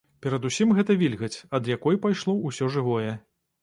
Перадусім гэта вільгаць, ад якой пайшло ўсё жывое.